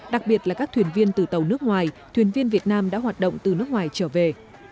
đặc biệt là các thuyền viên từ tàu nước ngoài thuyền viên việt nam đã hoạt động từ nước ngoài trở về